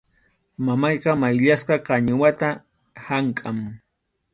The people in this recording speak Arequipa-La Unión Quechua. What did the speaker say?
Mamayqa mayllasqa qañiwata hamkʼan.